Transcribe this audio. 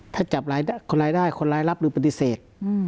ถ้าจับคนร้ายได้คนร้ายรับหรือปฏิเสธ